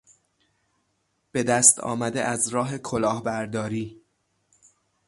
به دست آمده از راه کلاهبرداری